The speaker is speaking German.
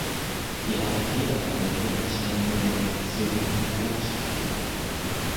Die Arbeitgeberverbände entstanden in Reaktion auf die Gewerkschaften.